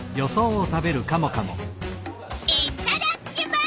いっただきます！